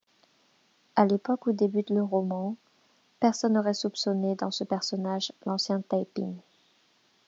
À l'époque où débute le roman, personne n'aurait soupçonné dans ce personnage l'ancien Taiping.